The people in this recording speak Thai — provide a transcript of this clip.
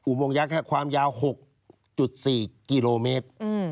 โมงยักษ์ความยาว๖๔กิโลเมตร